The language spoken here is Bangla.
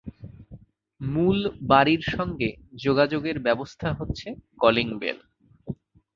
মূল বাড়ির সঙ্গে যোগাযোগের ব্যবস্থা হচ্ছে কলিং বেল।